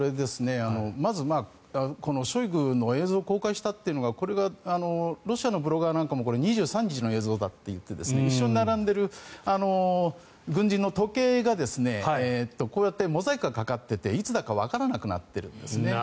まず、このショイグの映像を公開したというのがこれがロシアのブロガーなんかもこれは２３日の映像だと言って一緒に並んでいる軍人の時計がこうやってモザイクがかかっていていつだかわからなくなっているんです。